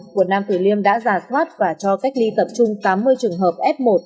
quận nam tử liêm đã giả soát và cho cách ly tập trung tám mươi trường hợp f một